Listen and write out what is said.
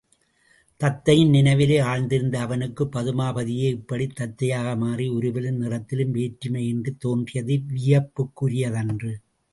தத்தையின் நினைவிலே ஆழ்ந்திருந்த அவனுக்குப் பதுமாபதியே இப்படித் தத்தையாக மாறி உருவிலும் நிறத்திலும் வேற்றுமையின்றித் தோன்றியது வியப்புக்குரியதன்று.